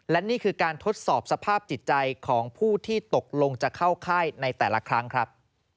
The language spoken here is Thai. และนี่คือการทดสอบสภาพจิตใจของผู้ที่ตกลงจะเข้าค่ายในแต่ละครั้งครับ